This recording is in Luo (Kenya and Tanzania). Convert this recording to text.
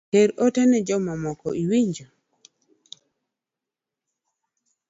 Ter ote ne jomapok owinje